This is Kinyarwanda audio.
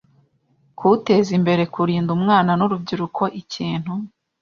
kuwuteza imbere, kurinda umwana n’urubyiruko ikintu